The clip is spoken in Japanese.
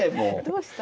どうした？